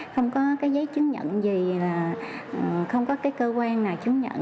không có cái giấy chứng nhận gì là không có cái cơ quan nào chứng nhận